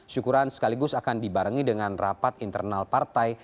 syukuran sekaligus akan dibarengi dengan rapat internal partai